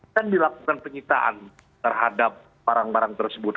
kan dilakukan penyitaan terhadap barang barang tersebut